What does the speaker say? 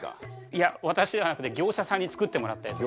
いや私じゃなくて業者さんに作ってもらったやつです。